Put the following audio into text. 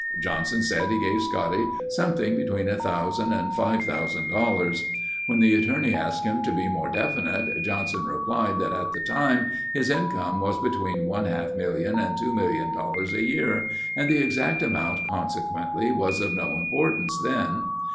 Johnson said he gave Scotty "something between $1000 and $5000." When the attorney asked him to be more definite, Johnson replied that at the time, his income was between one half million and two million dollars a year and the exact amount consequently was of no importance then.